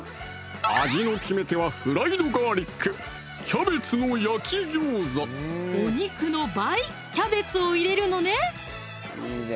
味の決め手はフライドガーリックお肉の倍キャベツを入れるのね！